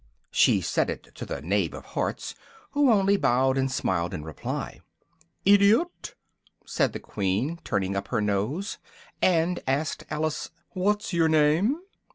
She said it to the Knave of Hearts, who only bowed and smiled in reply. "Idiot!" said the Queen, turning up her nose, and asked Alice "what's your name?"